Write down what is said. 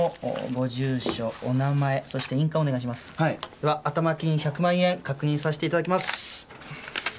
では頭金１００万円確認させていただきます。